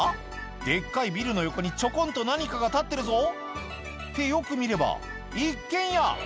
デッカいビルの横にちょこんと何かが立ってるぞってよく見れば一軒家！